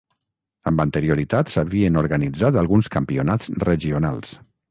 Amb anterioritat s'havien organitzat alguns campionats regionals.